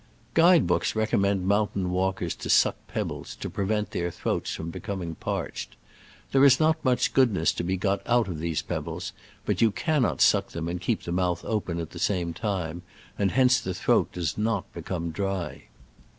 Guide books recommend mountain walkers to suck pebbles to, prevent their throats from becoming parched. There is not much goodness to be got out of the pebbles, but you cannot suck them and keep the mputh open at the same time, and hence the throat does not be come dry.